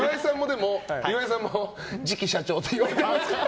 岩井さんも次期社長と言われてますから。